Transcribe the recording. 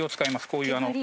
こういう。